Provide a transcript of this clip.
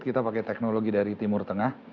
kita pakai teknologi dari timur tengah